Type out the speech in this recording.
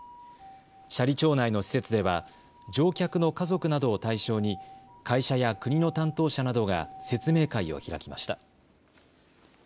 斜里町内の施設では乗客の家族などを対象に会社や国の担当者などが説明会を開きました。